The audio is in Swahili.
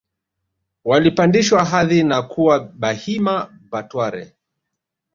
walipandishwa hadhi na kuwa Bahima Batware